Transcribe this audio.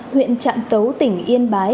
huyện trạm tấu tỉnh yên bái